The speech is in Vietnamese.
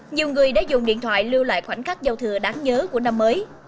nhiều người đã dùng điện thoại lưu lại khoảnh khắc giao thừa đáng nhớ của năm mới